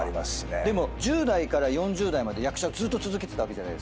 でも１０代から４０代まで役者をずっと続けてたじゃないですか。